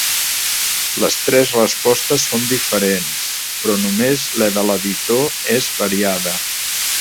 Les tres respostes són diferents, però només la de l'editor és variada.